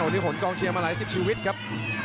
เนนนี่กรงเชียร์มีมาหลายสิบชีวิตครับ